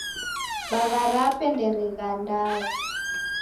Bagha rape nderigandagha.